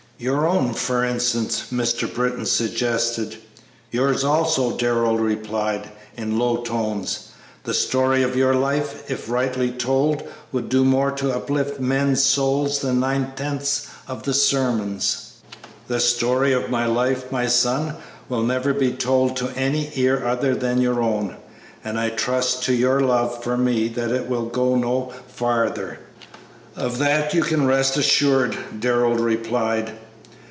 "Your own, for instance," Mr. Britton suggested. "Yours also," Darrell replied, in low tones; "the story of your life, if rightly told, would do more to uplift men's souls than nine tenths of the sermons." "The story of my life, my son, will never be told to any ear other than your own, and I trust to your love for me that it will go no farther." "Of that you can rest assured," Darrell replied.